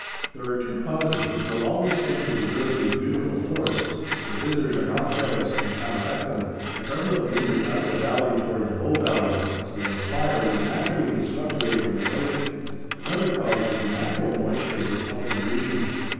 There are two causes which will always tend to preserve these beautiful forests if the visitors are not careless and counteract them. The prevalent wind is out of the valley toward the Bow valley, so that a fire would naturally be swept away from the lake. Another cause is the natural moisture of this upland region.